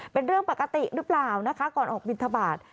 เป็นเรื่องปกติหรือเปล่านะคะก่อนออกบินทบาท